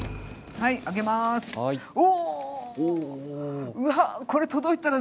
はい。